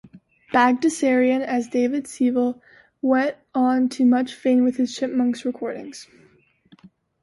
Bagdasarian, as David Seville, went on to much fame with his Chipmunks recordings.